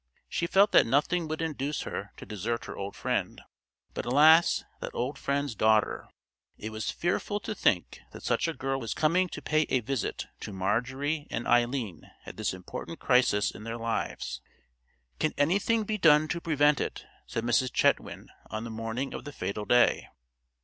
She felt that nothing would induce her to desert her old friend; but alas! that old friend's daughter! It was fearful to think that such a girl was coming to pay a visit to Marjorie and Eileen at this important crisis in their lives. "Can anything be done to prevent it?" said Mrs. Chetwynd on the morning of the fatal day.